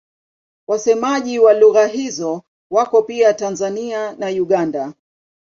Wasemaji wa lugha hizo wako pia Tanzania na Uganda.